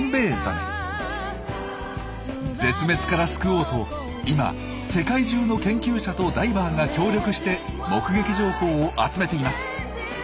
絶滅から救おうと今世界中の研究者とダイバーが協力して目撃情報を集めています。